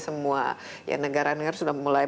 semua ya negara negara sudah mulai